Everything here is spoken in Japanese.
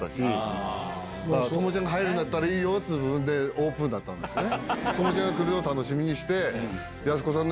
トモちゃんが入るならいいよってオープンだったんですね。